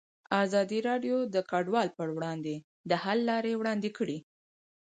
ازادي راډیو د کډوال پر وړاندې د حل لارې وړاندې کړي.